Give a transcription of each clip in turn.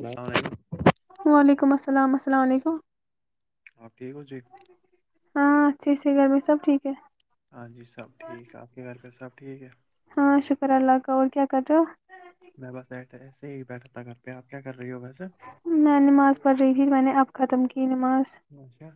اللام علیکم وعلیکم السلام السلام علیکم آپ ٹھیک ہو جی ہاں اچھی سی گھر می سب ٹھیک ہے ہاں جی سب ٹھیک ہے آپ کے گھر پ سب ٹھیک ہے ہاں شکر اللہ کا اور کیا کر رہے ہو میں بس ای ایسے ہی بیٹھا تھا گھر پی آپ کیا کر رہی ہو ویسے میں نماز پڑھ رہی تھی میں نے اب ختم کی نماز اچھا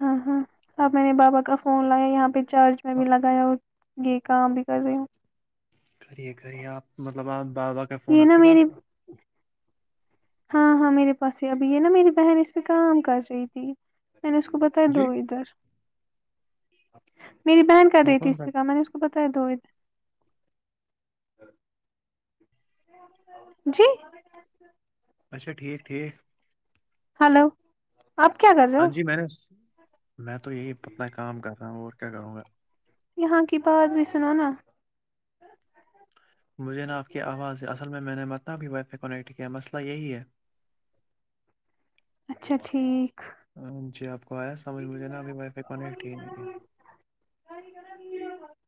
ہاں ہاں اب میں نے بابا کا فون لایا یہاں پہ چارج میں بھی لگایا اور یہ کام بھی کر رہی ہوں کرریے کرریے آپ مطلب آپ بابا کا فون یہ آپ نا کے میری پاس ہیں ہاں ہاں میرے پاس ہی ابھی یہ نا میری بہن اس پہ کام کر رہی تھی میں نے اس کو ب کر دو جی ادھر میری بہن کر وہ رہی تھی کون اس سا پ کام میںنے [unintelligible] جی اچھا ٹھیک ٹھیک ہلو آپ کیا کر رہیں ہاں جی میں نے میں تو یہی اپنا کام کر رہا ہوں اور کیا کروں گا یہاں کی بات بھی سنو نا مجھے نا آپ کی آواز ہے اصل میں میں نے مطلب نا ابھی وائی فائی کنیکٹ کیا مسئلہ یہی ہے اچھا ٹھیک جی آپ کو آیا سمجھ مجھے نا ابھی وائی فائی کنیکٹ ہی نہیں ہے [inaudible]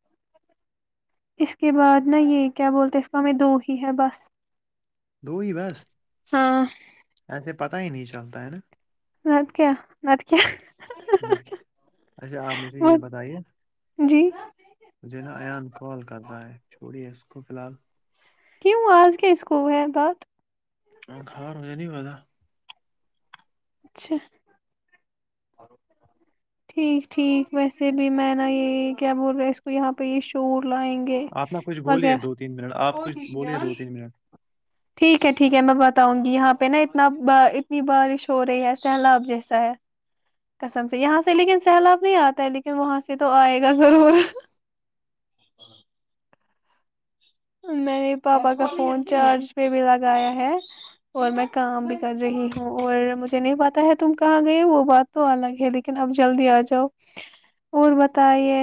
اس کے بعد ن یہ کیا بولتے ہیں اس کو ہمیں دو ہی ہے بس دو ہی بس ہاں ایسے پتا ہی نہیں چلتا ہے نا نت کیا نت کیا اچھا آپ مجھے وہ یہ بتائیے جی مجھے نا ایان کال کر رہا ہے چھوڑی ہے اس کو فی الحال کیو آز کیا اسکول ہے پات ہ خار م نہیں ہوا اچھا ٹھیک ٹھیک ویسے بھی میں نا یہ کیا بول رہا اس کو یہاں پہ یہ شور لائیں گے آپ نا کچھ بولیے دو تین منٹ آپ کچھ بولیے دو [unintelligible] تین منٹ ٹھیک ہے ٹھیک ہے میں بتاؤں گی یہاں پہ نا اتنا اتنی بارش ہو رہی ہے سیلاب جیسا ہے کسم سے یہاں سے لیکن سیلاب نہیں آتا ہے لیکن وہاں سے تو آئے گا ضرور میں نے پاپا کا فون چارج پہ بھی لگایا ہے اور میں کام بھی کر رہی ہوں اور مجھے نہیں پتاہ ہے تم کہاں گئے وہ بات تو الگ ہے لیکن اب جلدی آ جاؤ اور بتائیے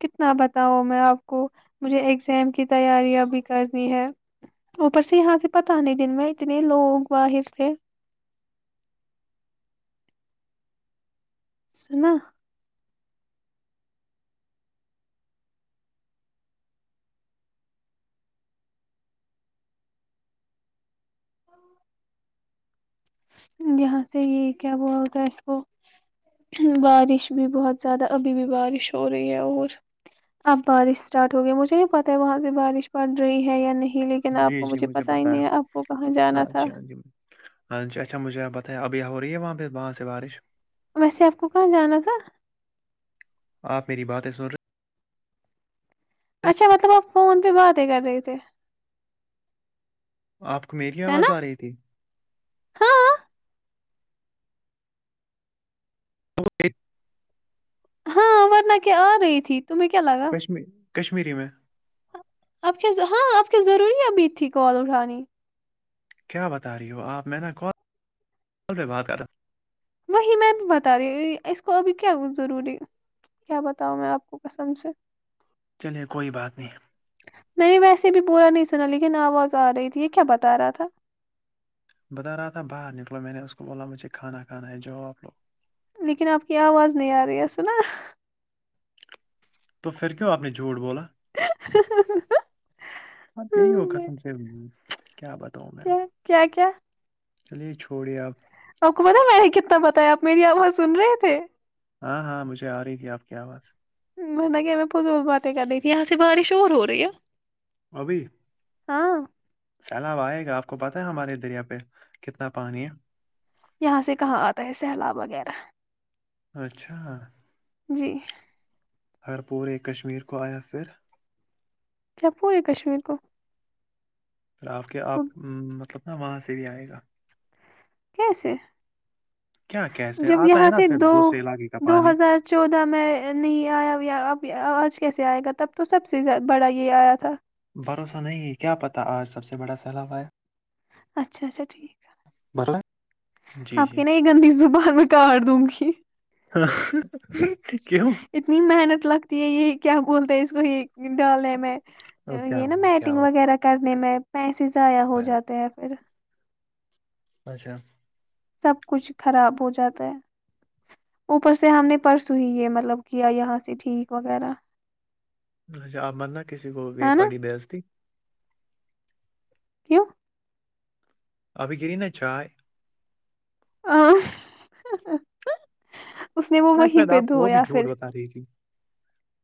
کتنا بتاؤں میں آپ کو مجھے اگزام کی تیاریاں بھی کرنی ہے اوپر سے یہاں سے پتاہ نہیں دن میں اتنے لوگ باہر سے سنا یہاں سے یہ کیا بول تھا ہے اس کو بارش بھی بہت زیادہ ابھی بھی بارش ہو رہی ہے اور اب بارش اسٹارٹ ہو گیا مجھے یہ پتاہ ہے وہاں سے بارش پڑ رہی ہے یا نہیں لیکن آپ کو مجھے پتا ہی نہیں ہے آپ کو کہاں جانا ہاں تھا جی ہاں جی ہاں جی اچھا مجھے پتہیا ابھی ہو رہی ہے وہاں پہ وہاں سے بارش ویسے آپ کو کہاں جانا تھا آپ میری باتیں سن رہے اچھا مطلب آپ فون پہ باتیں کر رہے تھے آپ کو میری ہے نا آواز آ رہی تھی ہاں تو ہاں ورنہ کہ آ رہی تھی تمہیں کیا لگا کشمی کشمیی میں- آپ کے ہاں آپ کے ضروری اب تھی کال اٹھانی کیا بتا رہی ہو آپ میں نا کال پ بات کر رہے وہی میں بھی بتا رہی اس کو ابھی کیا ضروری کیا بتاؤ میں آپ کو کسم سے چلیے کوئی بات نہیں ہے میں نے ویسے بھی پورا نہیں سنا لیکن آواز آ رہی تھی یہ کیا بتا رہا تھا بتا رہا تھا باہر نکلو میں نے اس کو بولا مجھے کھانا کھا ہے جوا آپ لو- لیکن آپ کی آواز نہیں آ رہی ہے س نا- تو پھر کیوں آپ نے جھوٹ بولا? [unintelligible] ہاں یہی ہو قسم سے کیا بتاؤں میں ا- کیا کیا کیا چلیے چھوڑیے آپ- آپ کو پت میں کتنا بتایا آپ میری آواز سن رہے تھے- ہاں- ہاں مجھے آ رہی تھی آپ کی آواز- میں نے کہ بز باتیں کری تھی ایسی بارش ہو رہی ہے- ابھی- ہاں- سیلاب آئے گا آپ کو پتہ ہے ہمارے دریا پہ کتنا پانی ہے- یہاں سے کہاں آتا ہے سیلاب وغیرہ- اچھا- جی- اگر پورے کشمیر کو آیا پھر- کیا پورے کشمیر کو- پھر آپ کے آپ مطلب نا وہاں سے بھی آئے گا- کیسے کیا کیسے جب آتا ہے یہاں نا سے پھر دو دوسرے علاقے کا دو پانی ہزار چودہ میں نہیں آیا اب آج کیسے آئے گا تب تو سب سےیادہ بڑا یہ آیا تھا- بھروسہ نہیں کیا پتا آج سب سے بڑا سیلاب آ ہے- اچھا- اچھا ٹھیک بھروسہ ہے جی آپ جی کے نا ایک اندھی زبان میں کاٹ دوں گی- [unintelligible] اتنی محنت لگتی ہے یہ کیا بولتے ہیں اس کو یہ ڈالنے میں تو کیا یہ نا ہوا کیا میٹنگ ہوا وغیرہ کرنے میں پیسے ضائع ہو یار جاتے ہیں- اور اچھا- سب کچھ خراب ہو جاتا ہے- اوپر سے ہم نے پرسوں ہی یہ مطلب کیا یہاں سے ٹھیک وغیرہ- اچھا آپ مرنا کسی کو یہ ہے نا پڑھی بے عزتی- کیوں ابھی گری ن چائے ا اس نے وہ وہیں پہ دھویا پھر- ساری ت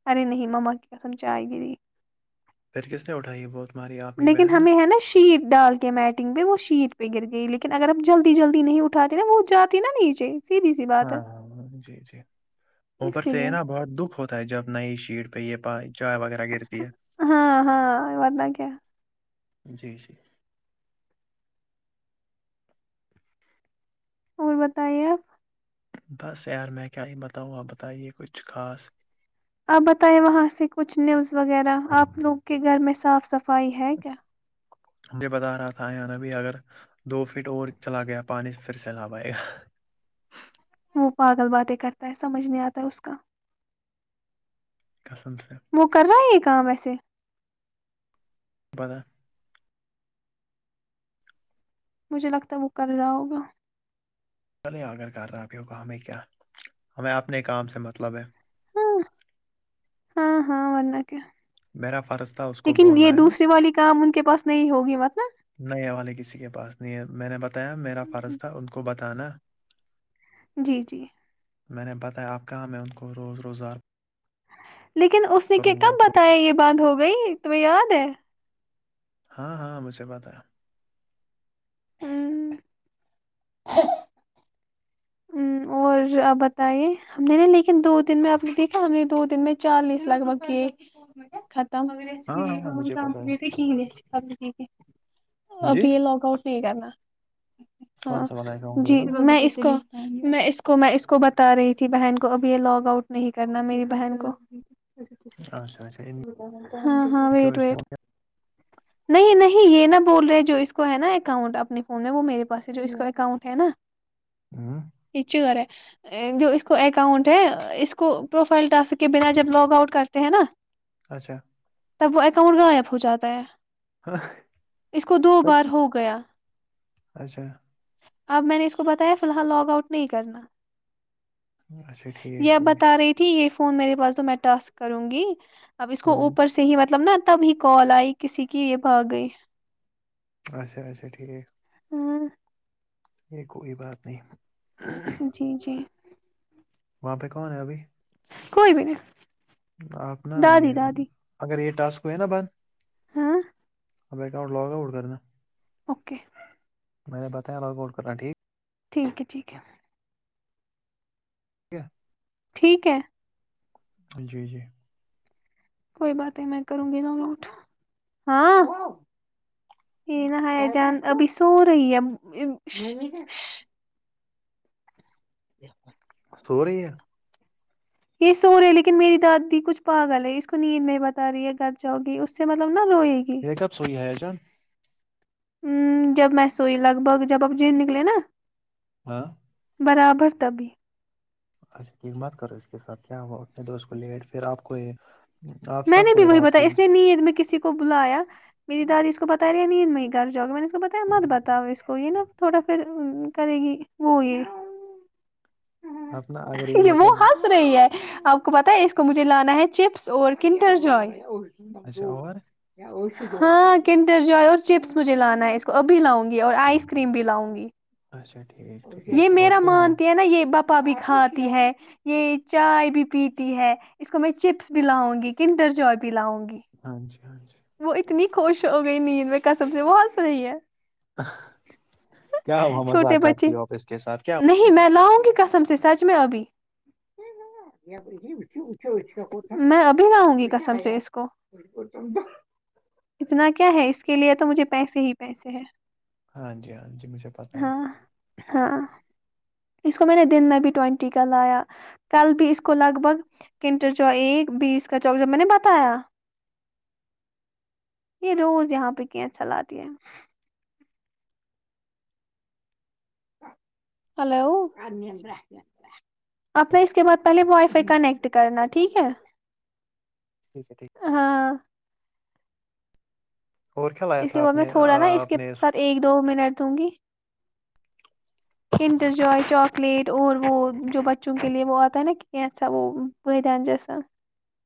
ارے نہیں مما کیم چائے گری- پھر کس نے اٹائی ہے بہت- ماری اپنی لیکن بہن نے ہمیں ہے نا شیت ڈال کے میٹنگ پہ وہ شیت پہ گر گئی لیکن اگر اب جلدی- جلدی نہیں اٹھاتی نا وہ جاتی نا نیچے- سیدھی سی بات ہاں ہے ہاں- ہاں جی -جی اوپر اسی سے ہے لیے نا بہت دکھ ہوتا- جب نئی شیٹ پہ یہ چائے وغیرہ گرتی ہے- ہاں- ہاں وات ن کیا- جی-جی اور بتائیے? بس یار میں کیا یہ بتاؤں آپ بتائیے کچھ خاص- آپ بتائیں وہاں سے کچھ نیوز وغیرہ آپ لوگ کے گھر میں صاف صفائی ہے کیا مجھے بتا رہا تھا یہ ن اب اگر دو فٹ اور چلا گیا پانی پھر سے لاب آئے گا وہ پاگل باتیں کرتا ہے سمجھ نہیں آتا ہے اس کا قسم سے وہ کر رہا ہے یہ کام وسے بدہ مجھے لگتا ہے وہ کر رہا ہوگا چلے آگر کر رہاب ہوگا ہمیں کیا ہمیں اپنے کام سے مطلب ہے ہاں ہاں ہاں ونک میرا فرض تھا اس کو لیکن یہ بولنا ہے نا دوسری والی کام ان کے پاس نہیں ہوگی مت ن نہیں والے کسی کے پاس نہیں ہے میں نے بتایا میرا فرض تھا ان کو بتانا جی جی میں نے بتایا آپ کہاں میں ان کو روز روزار لیکن اس نے کہ وہ کب کرو بتایا یہ بند ہو گئی تو یاد ہے ہاں ہاں مجھے پتایا ہ [unintelligible] ہ اور آپ بتے ہم نے نا لیکن دو دن میں آپ نے دیکھا ہم نے دو دن میں چالیس لگ بگ یہ ختم ہاں ہاں ہاں، مجھے پتا ہے اب جی یہ لگ آؤٹ نہیں کرنا کون ہاں سا والا اکاؤنٹ یہ جی والا میں اس کو میں اس کو میں اس کو بتا رہی تھی بہن کو اب یہ لاگ آؤٹ نہیں کرنا میری بہن کو اچھا اچھا ان ہاں ہاں کیوں ویٹ اس نے ہو ویٹ گیا؟ نہیں نہیں یہ نہا بول رہے جو اس کو ہے نا اکاؤنٹ اپنے فون میں وہ میرے پاس سے جو اس کو اکاؤنٹ ہے نا [inaudible] ہاں یہچغے جو اس کو اکاؤنٹ ہے اس کو پروفائل ٹاسک کے بنا جب لاگ آؤٹ کرتے ہیں نا [inaudible] اچھا تب وہ اکاؤنٹ غائب ہو جاتا ہے ہ [unintelligible] اس کو دو بار ہو گیا اچھا اب میں نے اس کو بتایا فی الحال لاگ آؤٹ نہیں کرنا اچھا یہ ٹھیک اب ٹھیک بتا رہی تھی یہ فون میرے پاس تو میں ٹسک کروں گی اب اس کو ہوں اوپر سے ہی مطلب نا تبھی کال آئی کسی کی یہ بھا گئی اھا اچھا ٹھیک ہاں یہ کوئی بات نہیں جی جی وہاں پہ کون ہے ا بھائی کوئی بھی نہیں آپ نا دادی یہ دادی اگر یہ ٹاسک ہوئے نا بد ہاں ابا ا لوگ اوٹ کر رہ نا اوکے میں نے بتایا رو کوٹ کرنا ٹھیک ٹھیک ہے ٹھیک ہے [unintelligible] ٹھیک ہے جی جی کوئی بات نہیں میں کروں گی تو نٹ ہاں یہ نہا جان ابھی سو رہی ہے [inaudible] سو رہی ہے یہ سو رہے لیکن میری دادی کچھ پاگل ہے اس کو نیند میں بتا رہی ہے گھر جاؤ گی اس سے مطلب نا روئے گی یہ کب سوئی ہے جان ا جب میں سوئی لگ بھگ جب آپ جم‌نکلے نا ہاں برابر طبی اچھا ایک مت کرو اس کے ساتھ کیا ہو اپنے دوست کو لیٹ پھر آپ کو آپ میں سب نے کو بھی یہ وہی رات کو بتایا اس کچھ نے نیند میں کسی کو بلایا میری دادی اس کو بتا رہی ہے نیند میں ہی گھر جاؤے میں نے اس کو بتایا مت بتاؤا اس کو یہ نا تھوڑا پھر کرے گی وہ یہ ہ آپ نا اگر یہ وہ مطلب ہنس رہی ہے آپ کو پت ہے اس کو مجھے لانا ہے چپس اور کنڈر جو ے اچھا اور ہاں کنڈر جوے اور چپس مجھے لانا ہے ابھی لاؤں گی اور آئس کریم بھی لاؤں گی اچھا ٹھیک یہ ٹھیک اور میرا کیا ہوا مانتے ہیں نا یہ باپ پپا بھی کھاتی ہے یہ چائے بھی پیتی ہے اس کو میں چپس بھی لاؤں گی کندر جوے بھی لاؤ گی ہاں جی ہاں جی وہ اتنی خوش ہو گئی نیند میں قسب سے وہ ہنس رہی ہے کیا ہو مزا چھوٹے بچے کرتی اپ اس کے ساتھ کیا ہو نہیں میں لاؤں گی قسم سے سچ میں ابھی [unintelligible] لاؤں گی کسم سے اس کو اتنا کیا ہے اس کے لیے تو مجھے پیسے ہی پیسے ہے ہاں جی ہاں جی مجھے پتا ہے ہاں اس کو میں نے دن میں بھی ٹوینٹی کا لایا کل بھی اس کو لگ بھگ کنٹر ایک بیس کا چوک جب میں نے بتایا یہ روز یہاں پہ کی اچھا لاتی ہے ہلو اپ نے اس کے بعد پہلے وائی فائی کنیکٹ کرنا ٹھیک ہے ٹیک ہےٹیک ہاں اور کیا لایا اس تھا کے بعد آپ میں نے تھوڑا نا اس آپ کے نے کو ساتھ ایک دو منٹ دوں گی کنٹر جائے چاکلیٹ اور وہ جو بچوں کے لیے وہ آتا ہے نا سا وہ بدان جیسا [unintelligible]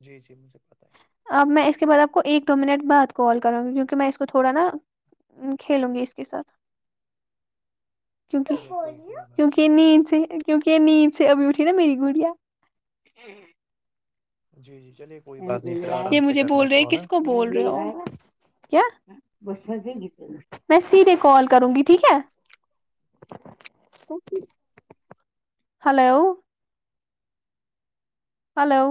جی جی مجھے پتاہے اب میں اس کے بعد آپ کو ایک دو منٹ بعد کال کروں گی کیونکہ میں اس کو تھوڑا نا کھیلوں گی اس کے ساتھ کیونکہ چلیے کوئی کوئی بات کیونکہ ا نہیں سے کیونکہ نیند سے ابھی اٹھی نا میری گڑیا جی جی چلیے کوئی بات نہیں پھر یہ آرام سے مجھے کرنا بول رہے کال ہے کس کو بول رہے ہو کیا میں سیرے کال کروں گی ٹھیک ہے تو ہلو ہلو